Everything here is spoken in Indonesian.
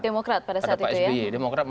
demokrat pada saat itu ya demokrat